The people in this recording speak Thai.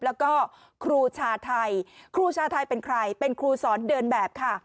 แล้วก็ครูชาไทยครูชาไทยเป็นใครเป็นครูสอนเดินแบบค่ะ